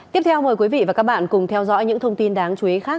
tiếp theo mời quý vị và các bạn cùng theo dõi những thông tin đáng chú ý khác